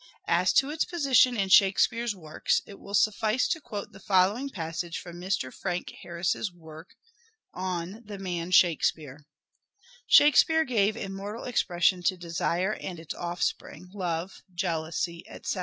As to its position in Shakespeare's works it will suffice to quote the following passage from Mr. Frank Harris's work on " The Man Shakespeare ":—" Shakespeare gave immortal expression to desire and its offspring, love, jealousy, etc. .